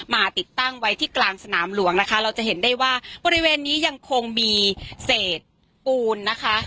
ติดตั้งไว้ที่กลางสนามหลวงนะคะเราจะเห็นได้ว่าบริเวณนี้ยังคงมีเศษปูนนะคะ